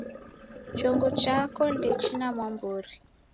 Chongo chako ndechina mwambori